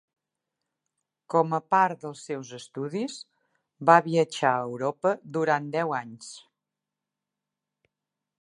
Com a part dels seus estudis, va viatjar a Europa durant deu anys.